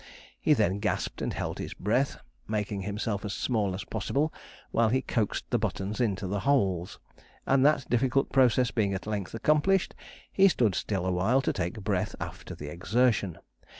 He then gasped and held his breath, making himself as small as possible, while he coaxed the buttons into the holes; and that difficult process being at length accomplished, he stood still awhile to take breath after the exertion.